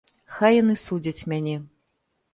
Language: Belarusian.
Хай яны судзяць мяне.